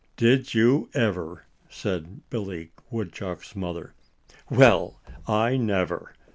"Did you ever?" said Billy Woodchuck's mother. "Well, I never!"